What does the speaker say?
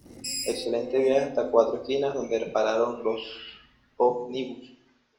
Excelente viaje hasta cuatro esquinas, donde pararon los ómnibus.